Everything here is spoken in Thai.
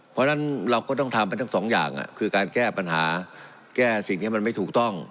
เพราะฉะนั้นเราก็ต้องทำไปทั้งสองอย่างคือการแก้ปัญหาแก้สิ่งที่มันไม่ถูกต้อง